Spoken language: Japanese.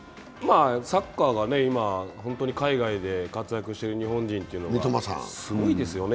サッカーが今、海外で活躍している日本人がすごいですよね。